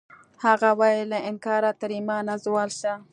هغه وایی له انکاره تر ایمانه زوال شته